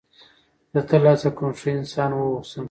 زه تل هڅه کوم ښه انسان و اوسم.